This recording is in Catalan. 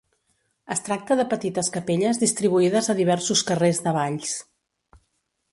Es tracta de petites capelles distribuïdes a diversos carrers de Valls.